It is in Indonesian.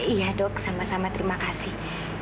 iya dok sama sama terima kasih